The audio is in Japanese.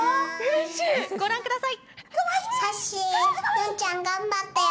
ご覧ください。